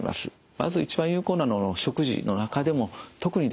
まず一番有効なのは食事の中でも特にですね